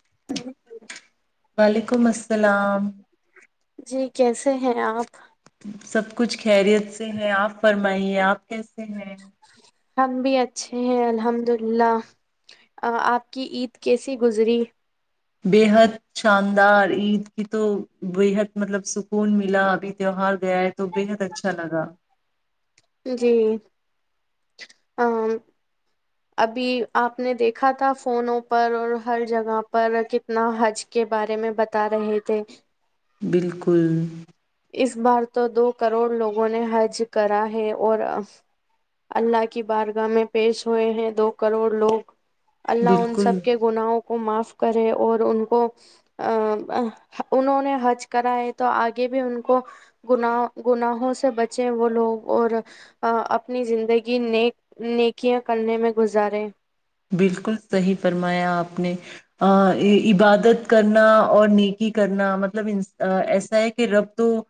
[unintelligible] وعلیکم السلام [unintelligible] جی کیسے ہیں آپ [unintelligible] سب کچھ خیریت سے ہے آپ فرمائیے آپ کیسے ہیں ہم بھی اچھے ہیں الحمد للہ آپ کی عید کیسی گزری بےحد شاندار عید کی تو بےحد مطلب سکون ملا ابھی تہوار گیا ہے تو بےحد اچھا لگا جی ابھی آپ نے دیکھا تھا فونوں پر اور ہر جگہ پر کتنا حج کے بارے میں بتا رہے تھے بالکل [unintelligible] اس بار تو دو کروڑ لوگوں نے حج کرا ہے اور اللہ کی بارگاہ میں پیش ہوئے ہیں دو کروڑ لوگ اللہ ان بالکل سب کے گناہوں کو معاف کرے اور ان کو انہوں نے حج کرائے تو آگے بھی بھی ان کو گ گناہوں سے بچے وہ لوگ اور اپنی زندگی نیک نیکیاں کرنے میں گزارے بالکل صحیح فرمایا آپ نے عبادت کرنا اور نیکی کرنا مطلب ایسا ہے کہ رب تو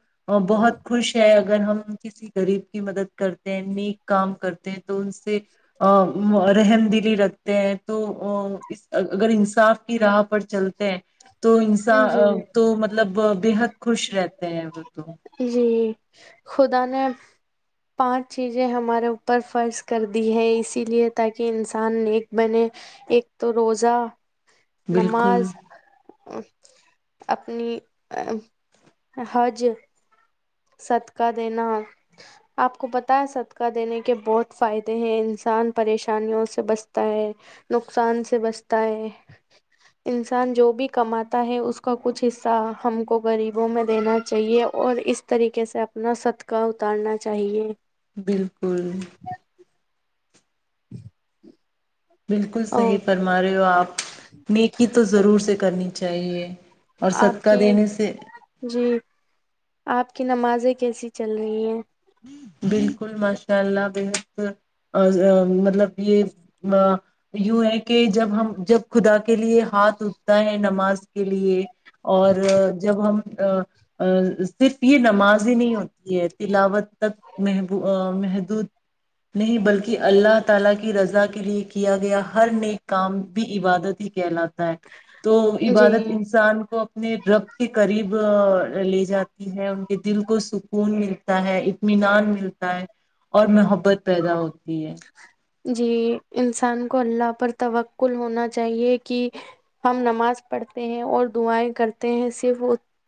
بہت خوش ہے اگر ہم کسی غریب کی مدد کرتے ہیں نیک کام کرتے ہیں تو ان سے [unintelligible] رحم دلی رکھ تو اگر انصاف کی راہ پر چلتے ہیں تو جی انسان تو مطلب وہ بےحد خوش رہتے ہیں وہ تو جی خدا نے پانچ چیزیں ہمارے اوپر فرض کر دی ہے اسی لیے تاکہ انسان نیک بنے ایک تو روزہ بالکل نماز اپنی ا حج صدقہ دینا آپ کو پتا ہے صدقہ دینے کے بہت فائدے ہیں انسان پریشانیوں سے بچتا ہے نقصان سے بچتا ہے انسان جو بھی کماتا ہے اس کا کچھ حصہ ہم کو غریبوں میں دینا چاہیے اور اس طریقے سے اپنا صدکا اتارنا چاہیے بالکل [inaudible] بالکل اور صحیح فرما رہے ہو آپ نیکی تو ضرور سے کرنی چاہیے اور آپ صدقہ کی دینے سے جی آپ کہ نمازیں کیسی چل رہی ہیں بالکل ماشاء اللہ بےحد مطلب یہ یوں ہے کہ جب ہم جب خدا کے لیے ہاتھ اٹھتا ہے نماز کے لیے اور جب ہم صرف یہ نماز ہی نہیں ہوتی ہے تلاوت [unintelligible] کام بھی عبادت ہی کہلاتا ہے تو عبادت جی انسان کو اپنے رب کے قریب لے جاتی ہے ان کے دل کو سکون ملتا ہے اطمینان ملتا ہے اور محبت پیدا ہوتی ہے جی انسان کو اللہ پر توکل ہونا چاہیے کہ ہم نماز پڑھتے ہیں اور دعائیں کرتے ہیں صرف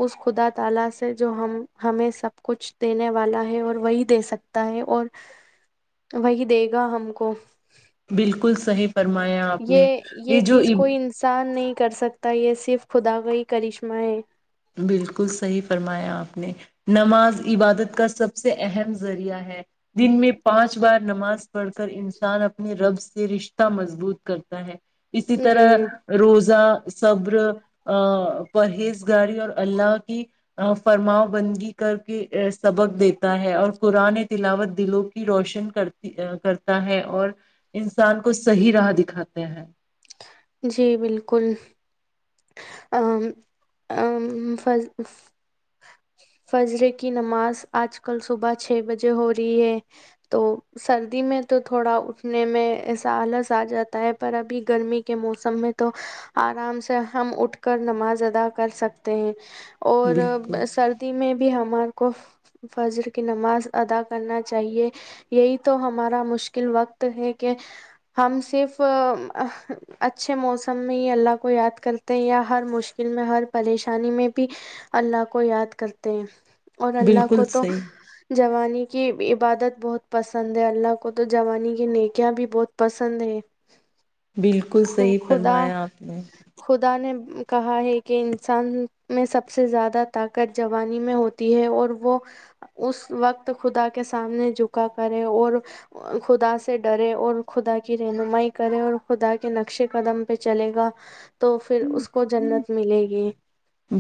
اس خدا تعالی سے جو ہم ہمیں سب کچھ دینے والا ہے اور وہی دے سکتا ہے اور وہی د گ ہم کو [unintelligible] بالکل صحی [unintelligible] یہ یہ چیز کوئی انسان نہیں کر سکتی تا یہ صرف خدا کا ہی کرشمہ ہے بالکل صحیح فرمایا آپ نے نماز عبادت کا سب سے اہم ذریعہ ہے دن میں پانچ بار نماز پڑھ کر انسان اپنے رب سے سے رشتہ مضبوط کرتا ہے اسی جی طرح روزہ سبر ا پہز گاری اور اللہ کی فرماؤ بندگی کر کے سبق دیتا ہے اور قرآن تلاوت دلوں کی روشن کرتی کرتا ہے اور انسان کو صحیح راہ دکھاتے ہے جی بالکل ا ا ف فجرے کی نماز آج کل صبح چھ بجے ہو رہی ہے تو سردی میں تو تھوڑا اٹھنے میں ایسا آلس آ جاتا ہے پر ابھی گرمی کے موسم میں تو آرام سے ہم اٹھ کر نماز ادا کر سکتے ہیں اور بالکل سردی میں بھی ہمار کو فجر کی نماز ادا کرنا چاہیے یہی تو ہمارا مشکل وقت ہے کہ ہم صرف اچھے موسم میں ہی اللہ کو یاد کرتے ہیں یا ہر مشکل میں ہر پریشانی میں بھی اللہ کو یاد کرتے ہیں اور اللہ بالکل کو تو صحیح جوانی کی عبادت بہت پسند ہے اللہ کو تو جوانی کے نیکیا بھی بہت پسند ہے بالکل صحیح خدا فرمایا آپ نے خدا نے کہا ہے کہ انسان میں سب سے زیادہ طاقت جوانی میں ہوتی ہے اور وہ اس وقت خدا کے سامنے جکا کرے اور خدا سے ڈرے اور خدا کی رہنمائی کرے اور خدا کے نقشے قدم پہ چلے گا تو پھر اس کو جنت ملے گی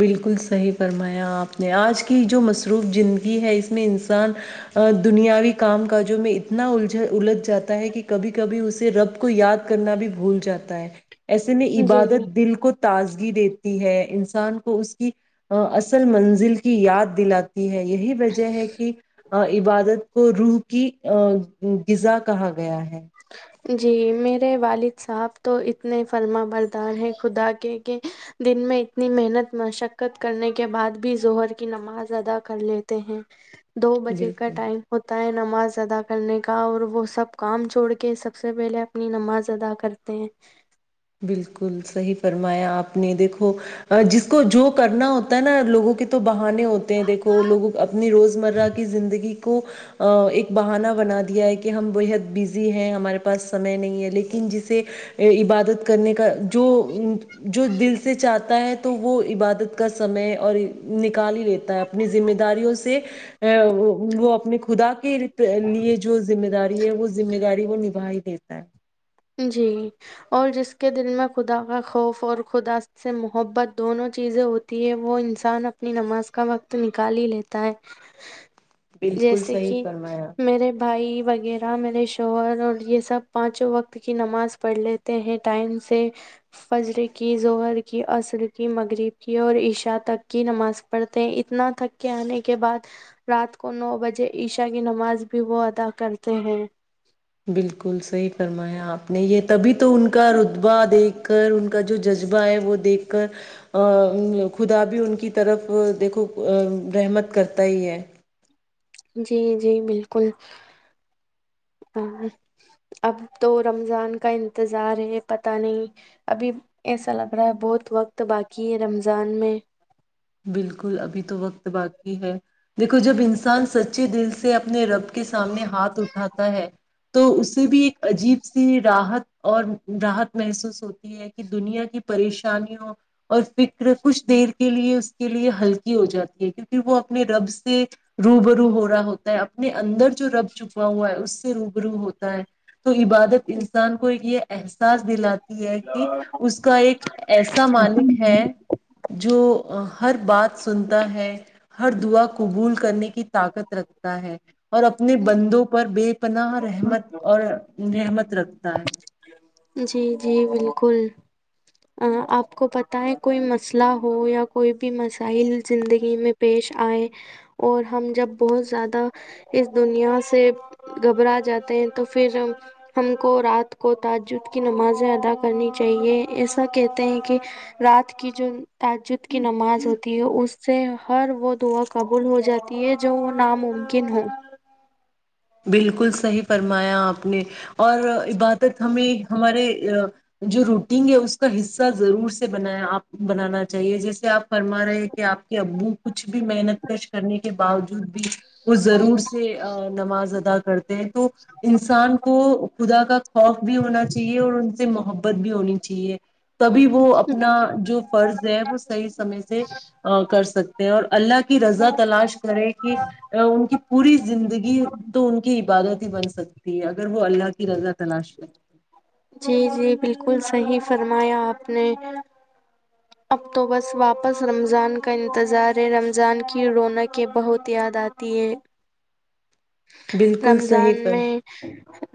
بالکل صحیح فرمایا آپ نے آج کی جو مصروف زندگی ہے اس میں انسان دنیاوی کام کاجوں میں اتنا الجھ الج جاتا ہے کہ کبھی کبھی اسے رب کو یاد کرنا بھی بھول جاتا ہے ایسے نے جی عبادت دل کو تازگی دیتی ہے ان انسان کو اس کی اصل منزل کی یاد دلاتی ہے یہی وجہ ہے کہ عبادت کو روح کی ا غذا کہا گیا ہے ہ [unintelligible] جی میرے والد صاحب تو اتنے فرما بردار ہیں خدا کے کہ دن میں اتنی محنت مشقت کرنے کے بعد بھی ظہر کی نماز ادا کر لیتے ہیں دو بجے کا بالکل ٹائم ہوتا ہے نماز ادا کرنے کا اور وہ سب کام چھوڑ کے کہ سب سے پہلے اپنی نماز ادا کرتے ہیں بالکل صحیح فرمایا آپ اپنی دیکھو جس کو جو کرنا ہوتا ہے نا لوگوں کی تو بہانے ہوتے ہیں دیکھو لوگوں اپنی روزمرہ کی زندگی کو ایک بہانا بنا دیا ہے کہ ہم بےحد بزی ہیں ہمارے پاس سمے نہیں ہے لیکن جسے عبادت کرنے کا جو جو دل سے چاہتا ہے تو وہ عبادت کا سمے اور نکال ہی لیتا ہے اپنی ذمہ داریوں سے وہ اپنی خدا کو لیے جو ذمہ داری ہے وہ ذمہ داری وہ نبھی ھتا ہے جی اور جس کے دل میں خدا کا خوف اور خدا سے محبت دونوں چیزیں ہوتی ہے وہ انسان اپنی نماز کا وقت نکال ہی لیتا ہے بالکل جیسے صحیح کہ فرمایا میرے بھائی وغیرہ میرے شوہر اور یہ سب پانچوں وقت کی نماز پڑھ لیتے ہیں ٹائم سے فجر کی زہر کی اصر کی مغرب کی اور عشا تک کی نماز پڑھتے ہیں اتنا تھک کے آنے کے بعد رات کو نو بجے عشا کی نماز بھی وہ ادا کرتے ہیں بالکل صحیح فرمایا آپ نے یہ تبھی تو ان کا رتبا د ایک کر ان کا جو ج جبہ ہے وہ دیکھ کر خدا بھی ان کی طرف دیکھو رحمت کرتا ہی ہے جی جی بالکل اب تو رمضان کا انتظار ہے پت نہیں ابھی ایسا لگ رہا ہے بہت وقت باقی ہے رمضان میں بالکل ابھی تو وقت باقی ہے دیکھو جب انسان سچ اچھے دل سے اپنے رب کے سامنے ہاتھ اٹھاتا ہے تو اسے بھی ایک عجیب سی راحت اور راحت محسوس ہوتی ہے کہ دنیا کی پریشانیوں اور فکر کچھ دیر کے لیے کے لیے ہلکی ہو جاتی ہے کیونکہ وہ اپنے رب سے رو ب رو ہو رہا ہوتا ہے اپنے اندر جو رب چپا ہوا ہے اس سے روبرو ہوتا ہے تو عبادت انسان کو ہی ہے احساس دلا تھا ہے کہ اس کا ایک ایسا مالک ہے جو ہر بات سنتا ہے ہر دعا کو قبول کرنے کی طاقت رکھتا ہے اور اپنے بندوں پر بے پناہ رحمت اور رحمت رکھتا ہے جی جی بالکل آپ کو پت ہے کوئی مسئلہ ہو یا کوئی بھی مسائل زندگی میں پیش آئے اور ہم جب بہت زیادہ اس دنیا سے گھبرا جاتے ہیں تو پھر ہم کو رات کو تججد کی نمازیں ادا کرنی چاہیے اس کہتے ہیں کہ رات کی جو تعجد کی نماز ہوتی ہے اس سے ہر وہ دعا قبول ہو جاتی ہے جو وہ ناممکن ہو بالکل صحیح فرمایا آپ نے اور عبادت ہمیں ہمارے جو روٹین ہے اس کا حصہ ضرور سے بنایا آپ بنانا چاہیے جیسے آپ فرما رہے ہیں کہ آپ کے ابو کچھ بھی محنت کش کرنے کے باوجود بھی وہ ضرور سے نماز ادا کرتے ہیں تو انسان کو خدا کا خوف بھی ہونا چاہیے اور ان سے محبت بھی ہونی چاہیے تبھی وہ اپنا جو فرض ہے وہ صحیح سمے سے کر سکتے ہیں اور اللہ کی رضا تلاش کرے کہ ان کی پوری زندگی کی عبادت ہی بن سکتی ہے اگر اگر وہ اللہ کی رضا تلاش کریں جی جی بالکل صحیح فرمایا آپ نے اب تو بس واپس رمضان کا انتظار ہے رمضان کی رونقیں بہت یاد آتی ہیں بالکل صحیح رمضان پر میں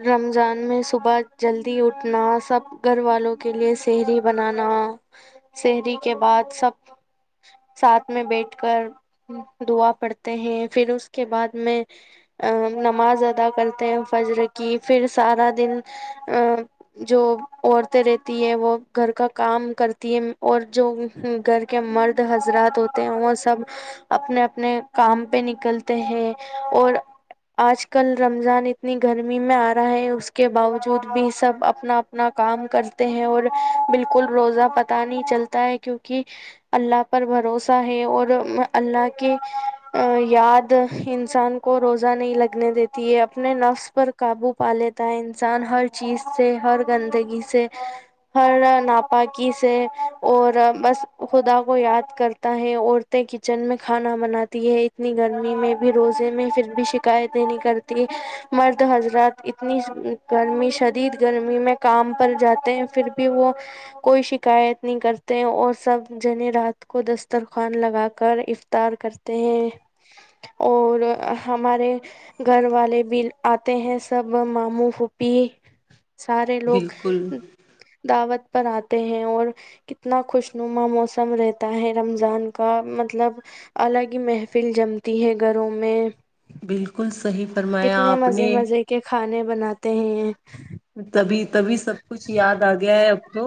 رمضان میں صبح جلدی اٹھنا سب گھر والوں کے لیے سہری بنانا شہری کے بعد سب ساتھ میں بیٹھ کر دعا پڑھتے ہیں پھر اس کے بعد میں ا نماز ادا کرتے ہیں فجر کی پھر سارا دن ا جو عورتیں رہتی ہے وہ گھر کا کام کرتی ہے اور جو گھر کے مرد حضرات ہوتے ہیں وہ سب اپنے اپنے کام پہ نکلتے ہیں اور آج کل رمضان اتنی گرمی میں آ رہا ہے اس کے باوجود بھی سب اپنا اپنا کام کرتے ہیں اور بالکل روزہ پت نہیں چلتا ہے کیونکہ اللہ پر بھروسہ ہے اور اللہ کی یاد انسان کو روزہ نہیں لگنے دیتی ہے اپنے نفس پر قابو پا لیتا ہے انسان ہر چیز سے ہر گندگی سے ہر ناپااکی سے اور بس خدا کو یاد کرتا ہے عورتیں کچن میں کھانا بناتی ہے اتنی گرمی میں بھی روزے میں پھر بھی شکایتیں نہیں کرتی مرد حضرات اتنی گرمی شدید گرمی میں کام پر جاتے ہیں پھر بھی وہ کوئی شکایت کرتے ہیں اور سب جنے رات کو دسترخوان لگا کر افطار کرتے ہیں اور ہمارے گھر والے بھی آتے ہیں سب ماموں پھپھی سارے لوگ بالکل دعوت پر آتے ہیں اور کتنا خوشنما موسم رہتا ہے رمضان کا مطلب الگ ہی محفل جمتی ہے گھروں میں بالکل صحی فرمایا کتنے آپ مزے نے مزے کے کھانے بناتے ہیں تبھی تبھی سب کچھ یاد آ گیا ہے اب تو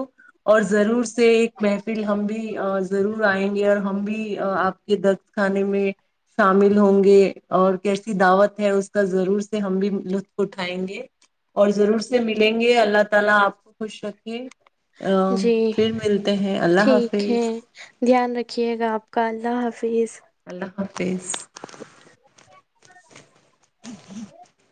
اور ضرور سے ایک محفل ہم بھی ضرور آئیں گے اور ہم بھی آپ کے دخت خانے میں شامل ہوں گے اور کیسی دعوت ہے اس کا ضرور سے ہم بھی لطف اٹھائیں گے اور ضرور سے ملیں گے اللہ تا آپ خوش شکیے جی اللہ ٹھیک ہے حافظ دھیان رکھیے گا آپ کاللہ حافظ اللہ حافظ